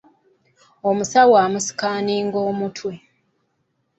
Omusawo amusikaaninga omutwe.